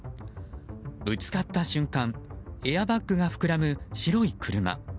ぶつかった瞬間エアバッグが膨らむ白い車。